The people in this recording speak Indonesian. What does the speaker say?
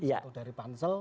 satu dari pansel